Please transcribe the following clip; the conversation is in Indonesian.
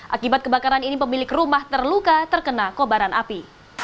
akibat kebakaran ini pemilik rumah terluka terkena kobaran api